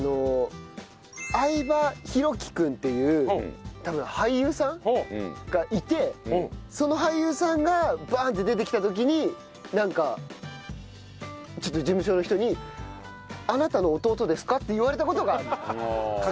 相葉裕樹君っていう多分俳優さんがいてその俳優さんがバーンって出てきた時になんかちょっと事務所の人に「あなたの弟ですか？」って言われた事があるよ。